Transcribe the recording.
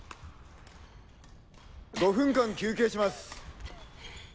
５分間休憩します。